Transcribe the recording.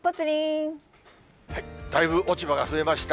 だいぶ落ち葉が増えました。